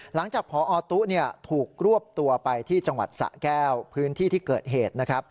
หลังจากพอตุ๊ถูกรวบตัวไปที่จังหวัดสะแก้วพื้นที่ที่เกิดเหตุนะครับ